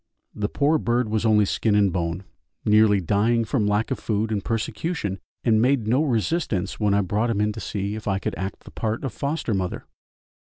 The poor bird was only skin and bone, nearly dying from lack of food and persecution, and made no resistance when I brought him in to see if I could act the part of foster mother.